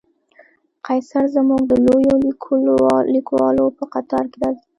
قیصر زموږ د لویو لیکوالو په قطار کې راځي.